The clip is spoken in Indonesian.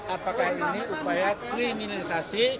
apakah ini upaya kriminalisasi